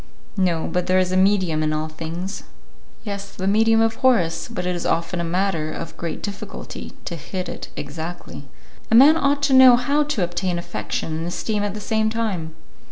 "No, but there is a medium in all things." "Yes, the medium of Horace, but it is often a matter of great difficulty to hit it exactly." "A man ought to know how to obtain affection and esteem at the same time."